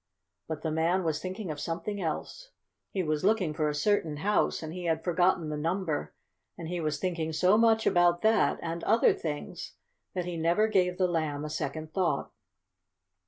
But the man was thinking of something else. He was looking for a certain house, and he had forgotten the number, and he was thinking so much about that, and other things, that he never gave the Lamb a second thought.